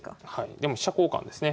でも飛車交換ですね。